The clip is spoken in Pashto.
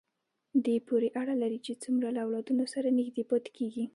دې پورې اړه لري چې څومره له اولادونو سره نږدې پاتې کېږي.